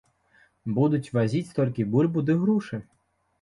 Будуць вазіць толькі бульбу ды грушы.